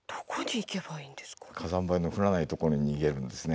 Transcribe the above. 火山灰の降らないところに逃げるんですね。